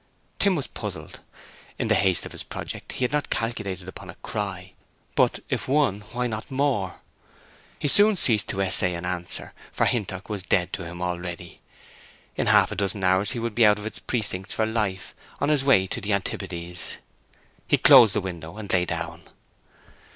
Tim was puzzled. In the haste of his project he had not calculated upon a cry; but if one, why not more? He soon ceased to essay an answer, for Hintock was dead to him already. In half a dozen hours he would be out of its precincts for life, on his way to the antipodes. He closed the window and lay down.